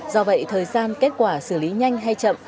do vậy thời gian kết quả xử lý nhanh hay chậm